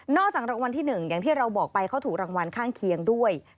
จากรางวัลที่๑อย่างที่เราบอกไปเขาถูกรางวัลข้างเคียงด้วย